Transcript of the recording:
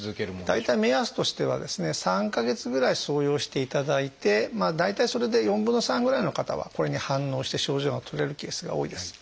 大体目安としてはですね３か月ぐらい装用していただいて大体それで４分の３ぐらいの方はこれに反応して症状が取れるケースが多いです。